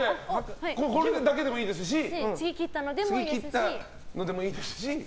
これだけでもいいですし次に切ったのでもいいですし。